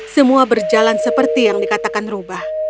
semua berjalan seperti yang dikatakan rubah